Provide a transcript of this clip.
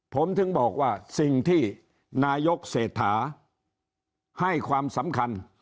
ผมถึงบอกว่าสิ่งที่นายกเศรษฐาให้ความสำคัญ